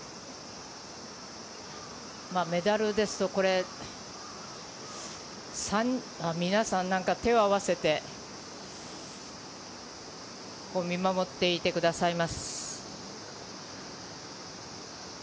メダルだと、皆さん、手を合わせて、見守っていてくださいます。